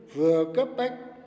vừa cấp bách